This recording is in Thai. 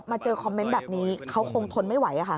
เจอคอมเมนต์แบบนี้เขาคงทนไม่ไหวค่ะ